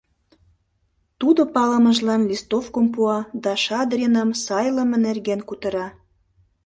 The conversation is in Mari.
Тудо палымыжлан листовкым пуа да Шадриным сайлыме нерген кутыра.